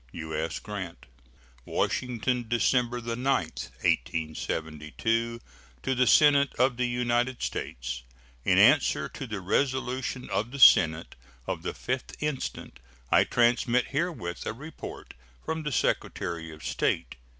U.S. GRANT. WASHINGTON, December 9, 1872. To the Senate of the United States: In answer to the resolution of the Senate of the 5th instant, I transmit herewith a report from the Secretary of State.